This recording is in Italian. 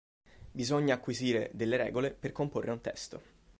Bisogna acquisire delle regole per comporre un testo.